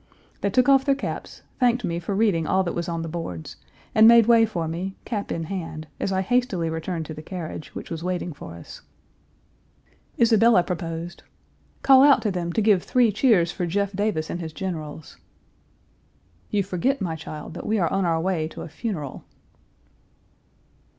They took off their caps, thanked me for reading all that was on the boards, and made way for me, cap in hand, as I hastily returned to the carriage, which was waiting for us. Isabella proposed, "Call out to Page 316 them to give three cheers for Jeff Davis and his generals." "You forget, my child, that we are on our way to a funeral."